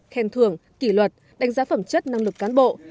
khen thưởng kỷ luật đánh giá phẩm chất năng lực cán bộ